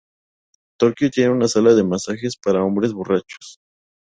Tokio tiene una sala de masajes para hombres borrachos.